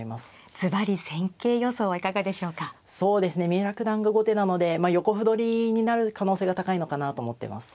三浦九段が後手なのでまあ横歩取りになる可能性が高いのかなと思ってます。